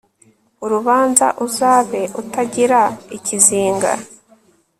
urubanza uzabe utagira ikizinga